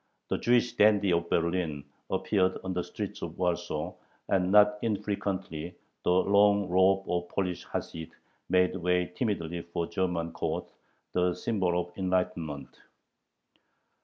The Jewish "dandy" of Berlin appeared on the streets of Warsaw, and not infrequently the long robe of the Polish Hasid made way timidly for the German coat, the symbol of "enlightenment."